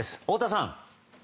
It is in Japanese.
太田さん。